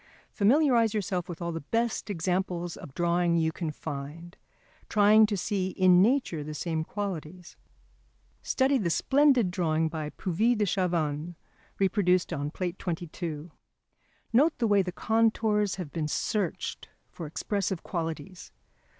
Familiarise yourself with all the best examples of drawing you can find, trying to see in nature the same qualities. Study the splendid drawing by Puvis de Chavannes reproduced on page 104 [Transcribers Note: Plate XXII]. Note the way the contours have been searched for expressive qualities.